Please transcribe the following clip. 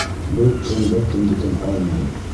Бер кем бер кемдекен алмай!